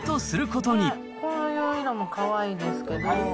こういう色もかわいいんですけど。